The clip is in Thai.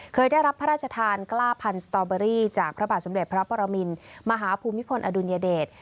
เคยได้รับพระราชทานกล้าพันธตอเบอรี่จากพระบาทสมเด็จพระปรมินมหาภูมิพลอดุลยเดช